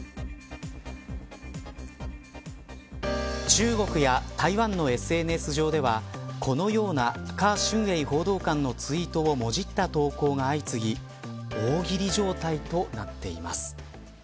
中国や台湾のＳＮＳ上ではこのような華春瑩報道官のツイートをもじった投稿が相次ぎ大喜利状態となっています。